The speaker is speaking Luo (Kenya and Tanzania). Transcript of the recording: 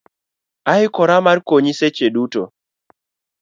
Aikora mar konyi seche duto.